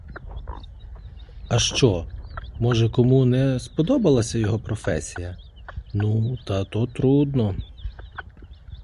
А що, може, кому не сподобалася його професія — ну, та то трудно.